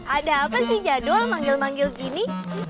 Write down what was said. ada apa sih jadul manggil manggil gini